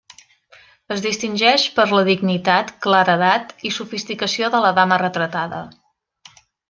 Es distingeix per la dignitat, claredat i sofisticació de la dama retratada.